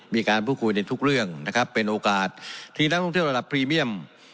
มีการพูดคุยในทุกเรื่องนะครับเป็นโอกาสที่นักท่องเที่ยวระดับพรีเมียม